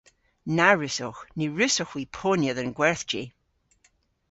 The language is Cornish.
Na wrussowgh. Ny wrussowgh hwi ponya dhe'n gwerthji.